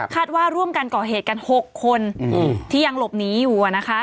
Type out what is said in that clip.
ว่าร่วมกันก่อเหตุกัน๖คนที่ยังหลบหนีอยู่นะคะ